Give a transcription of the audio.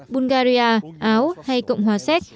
bulgaria áo hay cộng hòa xét